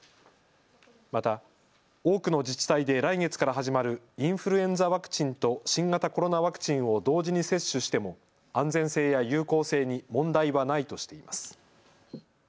また、多くの自治体で来月から始まるインフルエンザワクチンと新型コロナワクチンを同時に接種しても安全性や有効性に問題はないとしています。